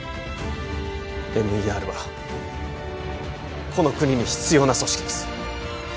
ＭＥＲはこの国に必要な組織です